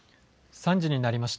３時になりました。